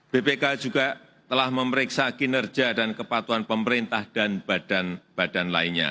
bpk juga telah memeriksa kinerja dan kepatuhan pemerintah dan badan badan lainnya